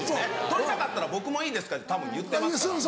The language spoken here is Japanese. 撮りたかったら「僕もいいですか」ってたぶん言ってますから。